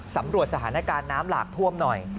สำรวจสถานการณ์น้ำหลากท่วมหน่อย